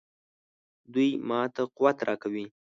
دوی ماته قوت راکوي.